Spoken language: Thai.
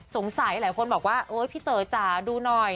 สงสัยหลายคนบอกว่าพี่เต๋อจ๊ะดูหน่อย